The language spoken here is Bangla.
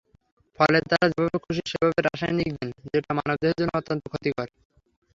ফলে তাঁরা যেভাবে খুশি সেভাবে রাসায়নিক দেন, যেটা মানবদেহের জন্য অত্যন্ত ক্ষতিকর।